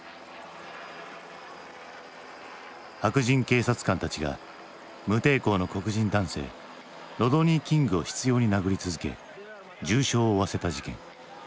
白人警察官たちが無抵抗の黒人男性ロドニー・キングを執ように殴り続け重傷を負わせた事件。